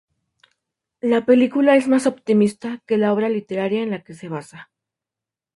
La película es más optimista que la obra literaria en la que se basa.